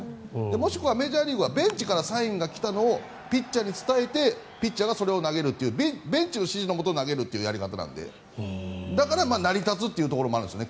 もしくは、メジャーリーグはベンチからサインが来たのをピッチャーに伝えてピッチャーがそれを投げるというベンチの指示のもと投げるというやり方なのでだから成り立つというところもあるんですよね。